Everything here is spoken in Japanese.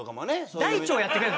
大腸やってくれるの？